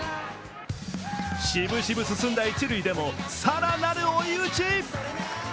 しぶしぶ進んだ一塁でも更なる追い打ち。